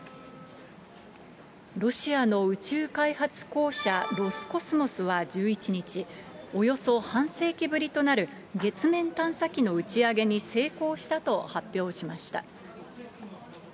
ロシアの宇宙開発公社ロスコスモスは１１日、およそ半世紀ぶりとなる月面探査機の打ち上げに成功したと発表しました。